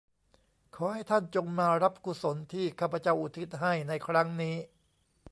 ขอให้ท่านจงมารับกุศลที่ข้าพเจ้าอุทิศให้ในครั้งนี้